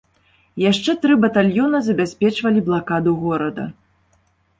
Яшчэ тры батальёна забяспечвалі блакаду горада.